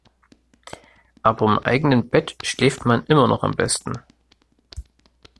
Aber im eigenen Bett schläft man immer noch am besten.